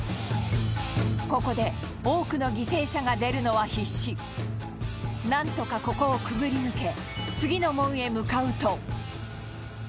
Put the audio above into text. ここで多くの犠牲者が出るのは必至なんとか、ここをくぐり抜け次の門へ向かうと北川さん：